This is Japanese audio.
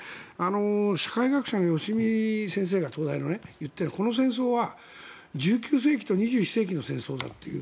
社会学者の東大のヨシミ先生が言っているこの戦争は１９世紀と２１世紀の戦争だと。